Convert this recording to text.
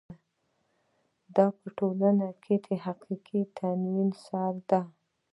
دا په ټولنه کې د حقیقي تدین سره ده.